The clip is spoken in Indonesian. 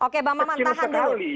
oke bang maman tahan dulu